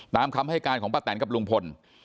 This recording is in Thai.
ตามคำให้การของพระแต่นกับลุงพล